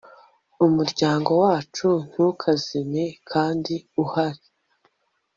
umuryango wacu ntukazime kandi uhari